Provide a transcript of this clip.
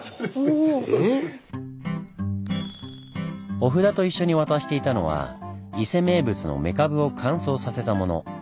お札と一緒に渡していたのは伊勢名物のメカブを乾燥させたもの。